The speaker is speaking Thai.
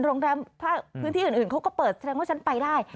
โรงแรมถ้าพื้นที่อื่นเขาก็เปิดแสดงว่าฉันไปได้